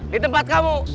di tempat kamu